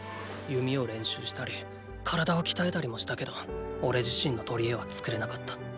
弓を練習したり体を鍛えたりもしたけどおれ自身の“とりえ”は作れなかった。